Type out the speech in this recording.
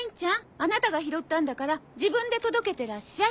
アナタが拾ったんだから自分で届けてらっしゃい。